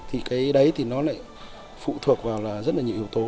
thì cái đấy thì nó lại phụ thuộc vào là rất là nhiều yếu tố